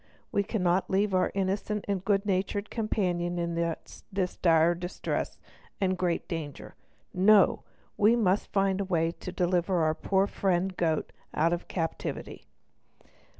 We cannot leave our innocent and good natured companion in this dire distress and great danger. No! we must find some way to deliver our poor friend goat out of captivity."